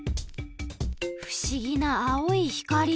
ふしぎなあおい光！